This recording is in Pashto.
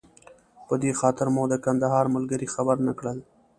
په دې خاطر مو د کندهار ملګري خبر نه کړل.